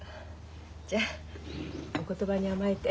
じゃあお言葉に甘えて。